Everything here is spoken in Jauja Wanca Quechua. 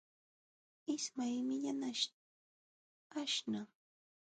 Ismay millanaśhtam aśhnan.